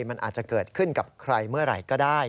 มันอาจจะเกิดขึ้นกับใครเมื่อไหร่ก็ได้